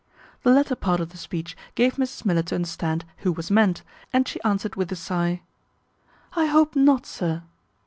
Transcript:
The latter part of the speech gave Mrs Miller to understand who was meant, and she answered with a sigh, "I hope not, sir."